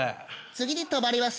次で止まります